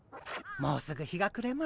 もうすぐ日がくれます。